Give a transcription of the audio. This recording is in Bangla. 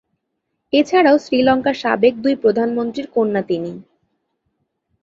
এছাড়াও, শ্রীলঙ্কার সাবেক দুই প্রধানমন্ত্রীর কন্যা তিনি।